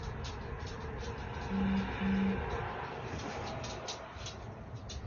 La tercera cámara era un poco más grande que las dos anteriores.